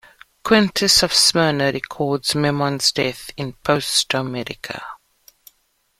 Quintus of Smyrna records Memnon's death in "Posthomerica".